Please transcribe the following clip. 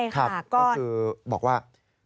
ก็คือบอกว่า